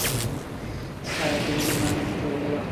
ছায়াছবিটি বাণিজ্যিক সফলতা লাভ করে।